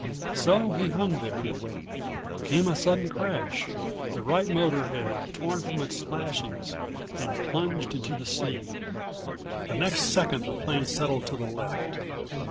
So he hung there. Came a sudden crash. The right motor had torn from its lashings and plunged into the sea. The next second the plane settled to the left.